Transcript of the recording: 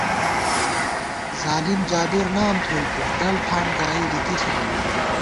ظالم جابر نام تھوَئیتُس ، ڈل ٹھان گائی لِکی ݪِمان